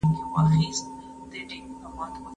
زه به مځکي ته کتلې وي!